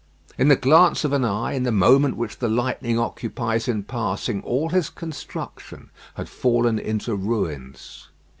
In the glance of an eye, in the moment which the lightning occupies in passing, all his construction had fallen into ruins.